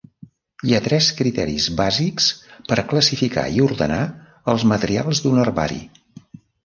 Hi ha tres criteris bàsics per classificar i ordenar els materials d'un herbari.